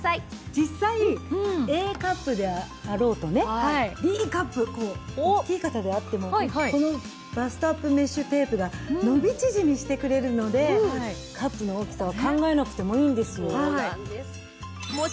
実際ＡカップであろうとねＤカップ大きい方であってもこのバストアップメッシュテープが伸び縮みしてくれるのでカップの大きさは考えなくてもいいんですよ。